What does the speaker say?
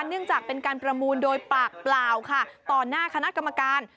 เนื่องจากเป็นการประมูลโดยปากเปล่าค่ะต่อหน้าคณะกรรมการ